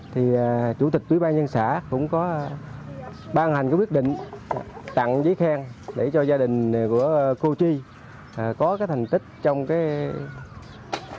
thì chủ tịch quỹ ban nhân xã cũng có ban hành quyết định tặng giấy khen để cho gia đình của cô chi có thành tích trong công tác giọng nghèo